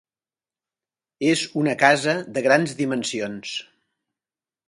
És una casa de grans dimensions.